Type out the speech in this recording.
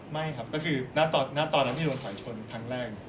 ไม่ครับก็คือณตอนฮัลล์ไม่มีฮั่วใหม่ชนครั้งแรก